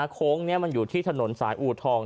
โค้งนี้มันอยู่ที่ถนนสายอูทอง